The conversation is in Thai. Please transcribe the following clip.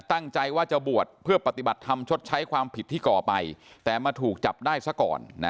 ตั้งใจว่าจะบวชเพื่อปฏิบัติธรรมชดใช้ความผิดที่ก่อไปแต่มาถูกจับได้ซะก่อนนะ